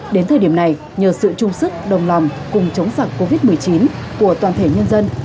đến thời điểm này nhờ sự chung sức đồng lòng cùng chống giặc covid một mươi chín của toàn thể nhân dân